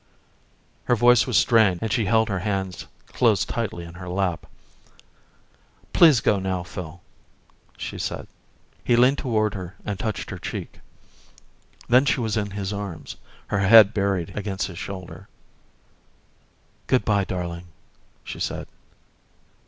Her voice was strained and she held her hands closed tightly in her lap. "Please go now, Phil," she said. He leaned toward her and touched her cheek. Then she was in his arms, her head buried against his shoulder. "Good by, darling," she said.